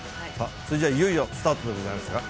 それじゃあ、いよいよスタートでございますか？